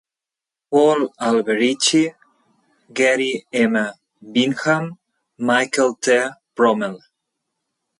Paul Alberici, Gary M Binham, Michael T Bromell.